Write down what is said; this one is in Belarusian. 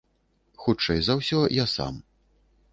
Хутчэй за ўсё я сам.